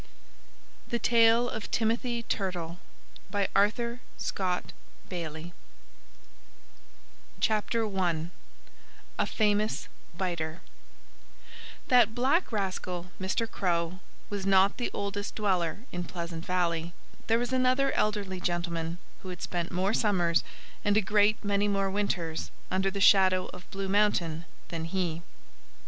"Let me go!" Fatty Coon shrieked. THE TALE OF TIMOTHY TURTLE I A FAMOUS BITER That black rascal, Mr. Crow, was not the oldest dweller in Pleasant Valley. There was another elderly gentleman who had spent more summers and a great many more winters under the shadow of Blue Mountain than he.